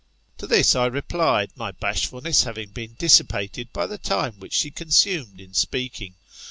To this I replied, my bashfulness having been dissipated by the time in which she consumed in speaking.